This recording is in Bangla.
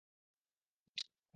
এসব কি, জি?